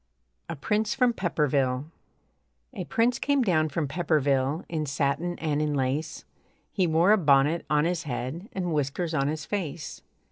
A PRINCE FROM PEPPERVILLE A prince came down from Pepperville In satin and in lace, He wore a bonnet on his head And whiskers on his face.